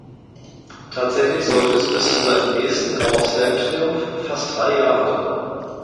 Tatsächlich sollte es bis zu seinem nächsten Grand-Slam-Triumph fast drei Jahre dauern.